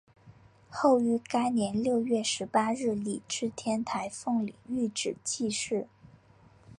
后于该年六月十八日礼置天台奉领玉旨济世。